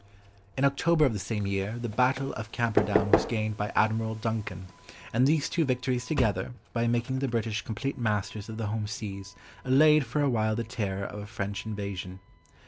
In October of the same year, the battle of Camperdown was gained by Admiral Duncan, and these two victories together, by making the British complete masters of the home seas allayed for a while the terror of a French invasion.